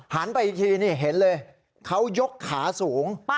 ไปอีกทีนี่เห็นเลยเขายกขาสูง